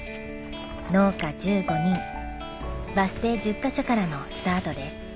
農家１５人バス停１０カ所からのスタートです。